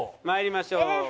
まいりましょう。